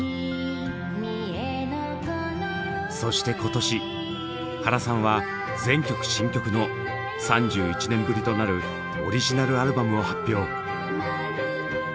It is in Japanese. そして今年原さんは全曲新曲の３１年ぶりとなるオリジナルアルバムを発表。